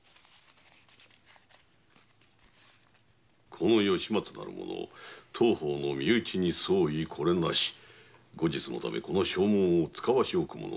「この吉松なる者当方の身内に相違これなし」「後日のためこの証文を遣わしおくもの也」